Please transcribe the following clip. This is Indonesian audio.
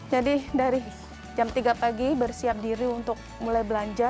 jadi dari jam tiga pagi bersiap diri untuk mulai belanja